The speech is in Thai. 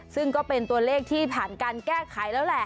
ซึ่งก็เป็นตัวเลขที่ผ่านการแก้ไขแล้วแหละ